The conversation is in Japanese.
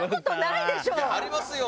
いやありますよ。